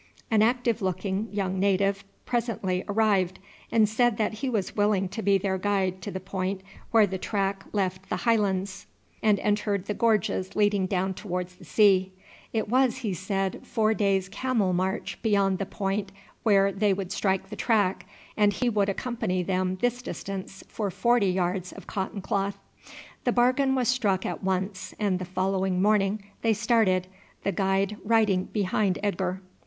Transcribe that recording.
An active looking young native presently arrived, and said that he was willing to be their guide to the point where the track left the high lands and entered the gorges leading down towards the sea. It was, he said, four days camels' march beyond the point where they would strike the track, and he would accompany them this distance for forty yards of cotton cloth. The bargain was struck at once, and the following morning they started, the guide riding behind Edgar.